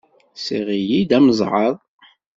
Ssiɣ-iyi-d amezɛaḍ.